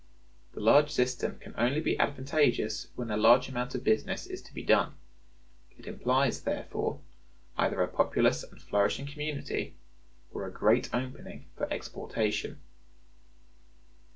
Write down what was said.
The large system can only be advantageous when a large amount of business is to be done: it implies, therefore, either a populous and flourishing community, or a great opening for exportation.